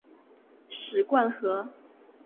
史灌河